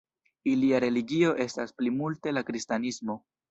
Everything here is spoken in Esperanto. Ilia religio estas plimulte la kristanismo.